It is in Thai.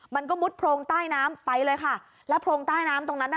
มันก็มุดโพรงใต้น้ำไปเลยค่ะแล้วโพรงใต้น้ำตรงนั้นน่ะ